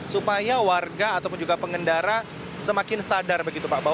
supaya warga ataupun juga pengendara semakin sadar begitu pak